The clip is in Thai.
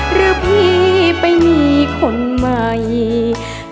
หรือพี่ไปมีคนใหม่